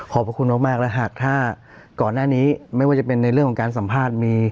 พระคุณมากและหากถ้าก่อนหน้านี้ไม่ว่าจะเป็นในเรื่องของการสัมภาษณ์มี